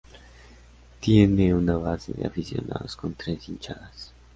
Tiene una base de aficionados con tres hinchadas.